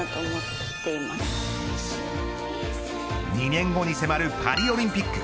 ２年後に迫るパリオリンピック。